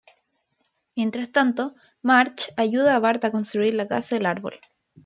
Mientras tanto, Marge ayuda a Bart a reconstruir la casa del árbol.